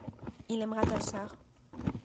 il aimera ta sœur.